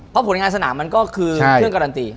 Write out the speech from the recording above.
เพราะผลงานสนามมันก็คือเครื่องการันตี